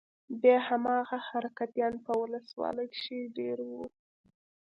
بيا هماغه حرکتيان په ولسوالۍ کښې دېره وو.